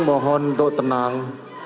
mohon untuk tenang